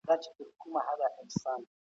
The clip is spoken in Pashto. ایا افغان سوداګر وچ انار ساتي؟